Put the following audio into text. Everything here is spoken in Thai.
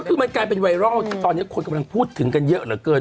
คือมันกลายเป็นไวรัลที่ตอนนี้คนกำลังพูดถึงกันเยอะเหลือเกิน